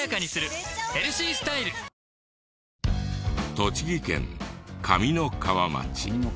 栃木県上三川町。